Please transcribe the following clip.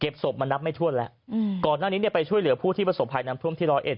เก็บศพมันนับไม่ทวนแล้วอืมก่อนหน้านี้เนี่ยไปช่วยเหลือผู้ที่เป็นศพภายนำท่วมทีร้อยเอ็ด